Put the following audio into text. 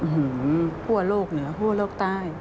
ทั่วโลกเหนือทั่วโลกใต้